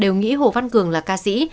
đều nghĩ hồ văn cường là ca sĩ